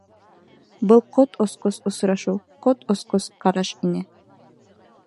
Был ҡот осҡос осрашыу, ҡот осҡос ҡараш ине.